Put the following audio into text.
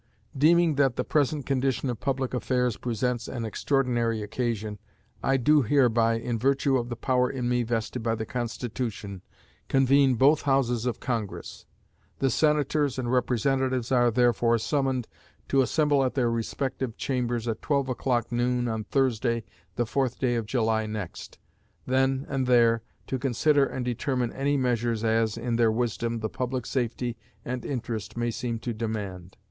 Deeming that the present condition of public affairs presents an extraordinary occasion, I do hereby, in virtue of the power in me vested by the Constitution, convene both Houses of Congress. The Senators and Representatives are, therefore, summoned to assemble at their respective chambers, at twelve o'clock, noon, on Thursday, the fourth day of July next, then and there to consider and determine such measures as, in their wisdom, the public safety and interest may seem to demand.